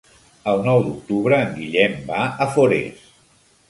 El nou d'octubre en Guillem va a Forès.